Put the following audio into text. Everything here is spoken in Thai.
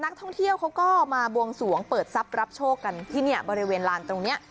นักท่องเที่ยวเขาก็มาบวงสวงเปิดทรัพย์รับโชคกันที่เนี่ยบริเวณลานตรงนี้